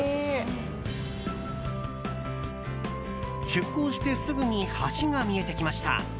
出航してすぐに橋が見えてきました。